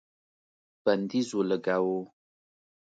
بندیز ولګاوه